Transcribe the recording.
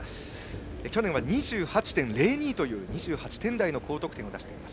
去年は２８．２０という２８点台の高得点を出しています。